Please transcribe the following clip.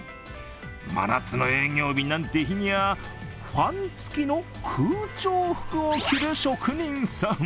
真夏の営業日なんて日にゃ、ファン付きの空調服を着る職人さん。